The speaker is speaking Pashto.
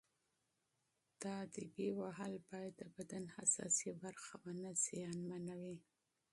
تاديبي وهل باید د بدن حساسې برخې ونه زیانمنوي.